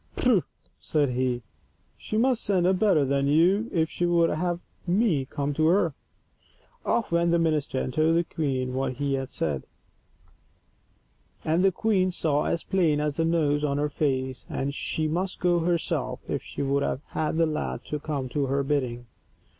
" Prut !" said he, " she must send a better than you if she would have me come to her. Off went the minister and told the queen what he had said, and the 3i8 THE BEST THAT LIFE HAS TO GIVE. queen saw as plain as the nose on her face that she must go herself if she would have the lad come at her bidding.